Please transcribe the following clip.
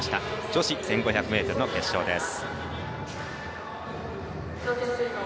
女子１５００ｍの決勝です。